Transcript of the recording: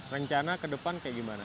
rencana ke depan kayak gimana